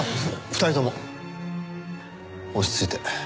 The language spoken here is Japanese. ２人とも落ち着いて。